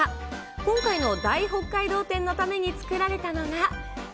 今回の大北海道展のために作られたのが。